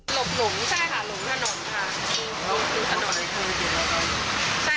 บหลุมใช่ค่ะหลุมถนนค่ะ